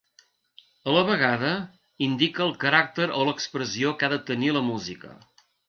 A la vegada indica el caràcter o l'expressió que ha de tenir la música.